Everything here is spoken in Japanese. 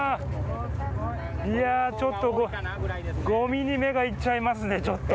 いやちょっとごみに目がいっちゃいますねちょっと。